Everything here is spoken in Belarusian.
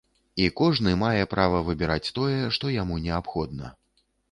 І кожны мае права выбіраць тое, што яму неабходна.